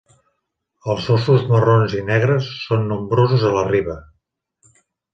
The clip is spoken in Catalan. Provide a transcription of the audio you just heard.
Els óssos marrons i negres són nombrosos a la riba.